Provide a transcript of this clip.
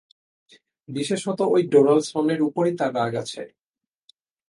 বিশেষত ঐ ডোনাল্ডসনের উপর তার রাগ আছে।